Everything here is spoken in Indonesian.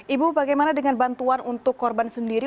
ibu bagaimana dengan bantuan untuk korban sendiri